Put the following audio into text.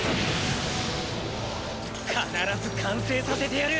必ず完成させてやる！